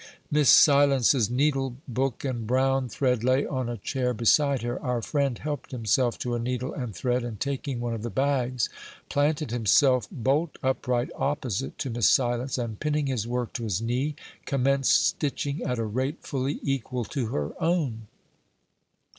Miss Silence's needle book and brown thread lay on a chair beside her. Our friend helped himself to a needle and thread, and taking one of the bags, planted himself bolt upright opposite to Miss Silence, and pinning his work to his knee, commenced stitching at a rate fully equal to her own.